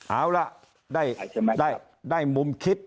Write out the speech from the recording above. เอาล่ะได้ได้ได้ได้มุมคิด